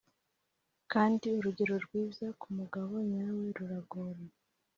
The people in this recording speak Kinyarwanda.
kandi urugero rwiza kumugabo nyawe ruragora